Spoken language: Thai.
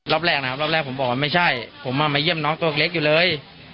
รอบแรกนะครับรอบแรกผมบอกว่าไม่ใช่ผมมาเยี่ยมน้องตัวเล็กอยู่เลย